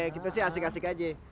kita sih asik asik aja